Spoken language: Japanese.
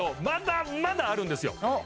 まだまだあるんですよ